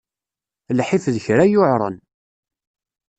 Lḥif d kra yuɛren.